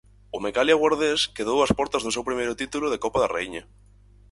O Mecalia Guardés quedou ás portas do seu primeiro título de Copa da Raíña.